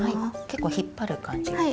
結構引っ張る感じ。